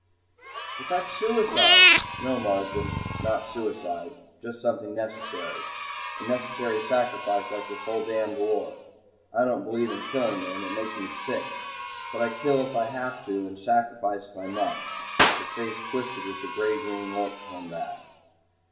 "But that's suicide!" "No, Marsden, not suicide just something necessary. A necessary sacrifice, like this whole damned war! I don't believe in killing men. It makes me sick. But I kill if I have to, and sacrifice if I must." His face twisted and the gray green look came back.